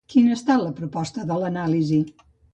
Quina ha estat la proposta de l’anàlisi?